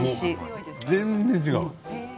全然違う。